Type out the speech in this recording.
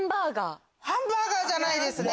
ハンバーガーじゃないですね。